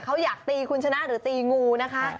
เขาอยากตีคุณชนะหรือตีงูนะคะ